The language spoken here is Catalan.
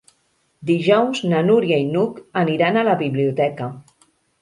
Dijous na Núria i n'Hug aniran a la biblioteca.